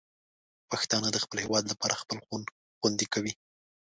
پښتانه د خپل هېواد لپاره خپل خون خوندي کوي.